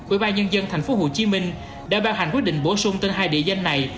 ubnd tp hcm đã bao hành quyết định bổ sung tên hai địa danh này